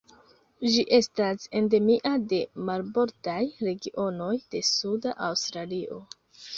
Ĝi estas endemia de marbordaj regionoj de suda Aŭstralio.